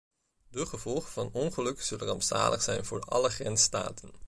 De gevolgen van ongelukken zullen rampzalig zijn voor alle grensstaten.